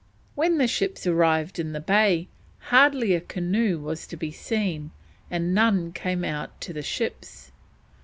When the ships arrived in the bay, hardly a canoe was to be seen, and none came out to the ships.